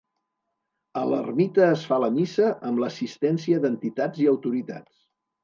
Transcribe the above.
A l'ermita es fa la missa amb l'assistència d'entitats i autoritats.